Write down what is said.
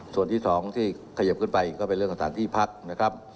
ส่วนที่๒ที่ขยิบขึ้นไปก็เป็นเรื่องของสถานที่พักนะครับ